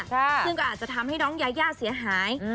ซึ่งก็อาจจะทำให้น้องยายาเสียหาย